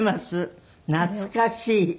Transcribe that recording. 懐かしい。